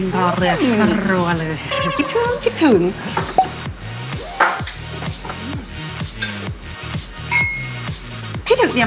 ขออาทิตย์